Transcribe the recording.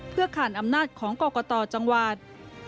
เพื่อขาดอำนาจของกรกตจังหวัด